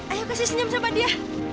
ayo kasih senyum sama dia